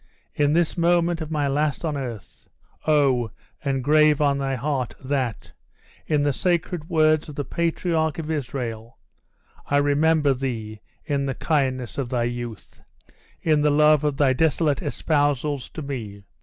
in this moment of my last on earth, O! engrave on thy heart, that in the sacred words of the patriarch of Israel I remember thee, in the kindness of thy youth! in the love of thy desolate espousals to me!